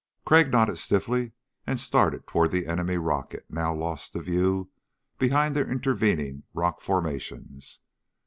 Crag nodded stiffly and started toward the enemy rocket, now lost to view behind intervening rock formations.